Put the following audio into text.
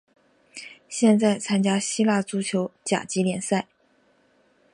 现在参加希腊足球甲级联赛。